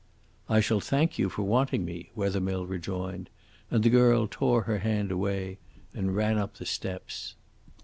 "I shall thank you for wanting me," Wethermill rejoined; and the girl tore her hand away and ran up the steps.